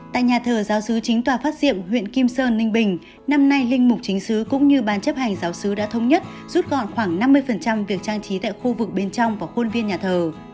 tại nhà thờ giáo sứ chính tòa phát diệm huyện kim sơn ninh bình năm nay linh mục chính xứ cũng như ban chấp hành giáo sứ đã thống nhất rút gọn khoảng năm mươi việc trang trí tại khu vực bên trong và khuôn viên nhà thờ